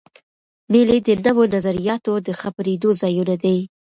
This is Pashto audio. مېلې د نوو نظریاتو د خپرېدو ځایونه دي.